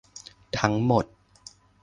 ทั้งหมด